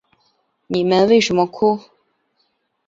你们为什么哭？